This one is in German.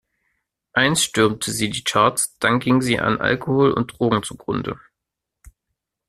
Einst stürmte sie die Charts, dann ging sie an Alkohol und Drogen zugrunde.